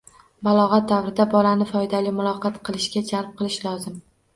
Balog'at davrida bolani foydali muloqot qilishga jalb qilish lozim.